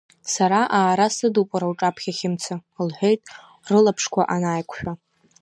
Сара аара сыдуп уара уҿаԥхьа, Хьымца, — лҳәеит, рылаԥшқәа анааиқәшәа.